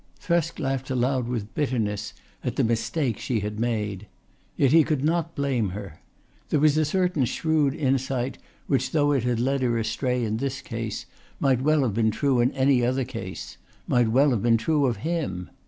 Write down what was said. Thresk laughed aloud with bitterness at the mistake she had made. Yet he could not blame her. There was a certain shrewd insight which though it had led her astray in this case might well have been true in any other case, might well have been true of him.